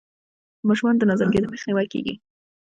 د ماشومانو د نظر کیدو مخنیوی کیږي.